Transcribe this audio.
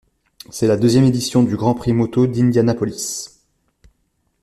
C'est la deuxième édition du Grand Prix moto d'Indianapolis.